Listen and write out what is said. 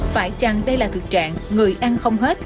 phải chăng đây là thực trạng người ăn không hết